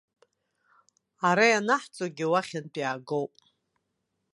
Ара ианаҳҵогьы уахьынтә иаагоуп.